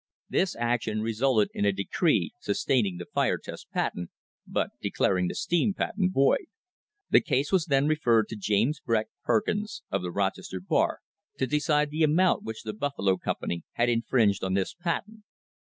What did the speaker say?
This action resulted in a decree sustaining the fire test patent, but declaring the steam patent void. The case was then referred to James Breck Per kins, of the Rochester bar, to decide the amount which the Buffalo company had infringed on this patent.